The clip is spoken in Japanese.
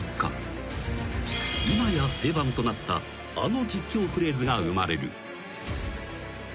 ［今や定番となったあの実況フレーズが生まれる］